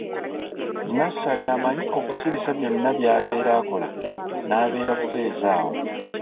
Nassali amanyi okusirisa byonna by'abeera akola n’abeera bubeezi awo.